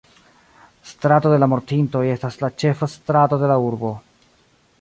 La Strato de la Mortintoj estas la ĉefa strato de la urbo.